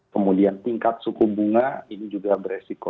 kemudian tingkat suku bunga ini juga beresiko